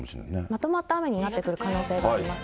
まとまった雨になってくる可能性はありますね。